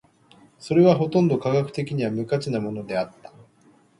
それはほとんど科学的には無価値なものであった。